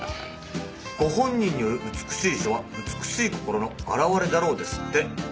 「ご本人による美しい書は美しい心の表れだろう」ですって。